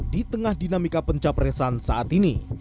di tengah dinamika pencapresan saat ini